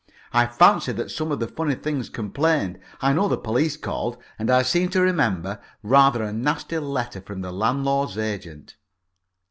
I fancy that some of the funny things complained. I know the police called, and I seem to remember rather a nasty letter from the landlord's agent.